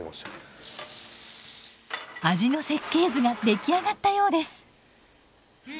味の設計図が出来上がったようです。